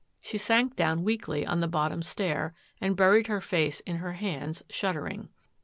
She sank down weakly on the bottom stair and buried her face in her hands, shuddering.